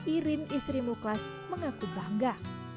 irin istri muklas mengaku bangga